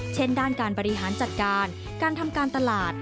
เช่นด้านการบริหารจัดการการทำการตลาด